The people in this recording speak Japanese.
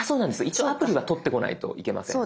一応アプリは取ってこないといけません。